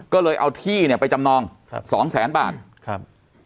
ก็เลยเอาที่เนี่ยไปจำนองครับสองแสนบาทครับ